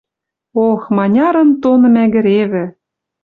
Ох, манярын тоны мӓгӹревӹ!..